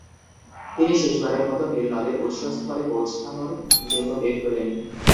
তিনি শেষবারের মতো নীলনদের উৎসস্থলে পৌঁছানোর জন্য বের হলেন।